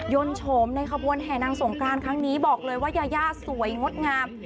โฉมในขบวนแห่นางสงการครั้งนี้บอกเลยว่ายายาสวยงดงาม